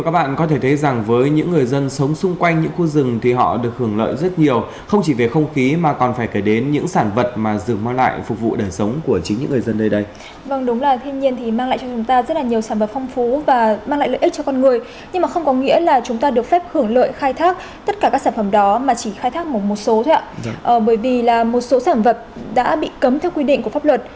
bởi vì một số sản vật đã bị cấm theo quy định của pháp luật